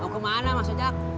mau kemana mas bojak